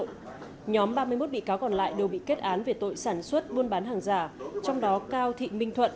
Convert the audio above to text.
nhóm ba mươi một bị cáo còn lại đều bị kết án về tội sản xuất buôn bán hàng giả trong đó cao thị minh thuận